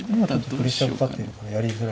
プレッシャーかかってるからやりづらい。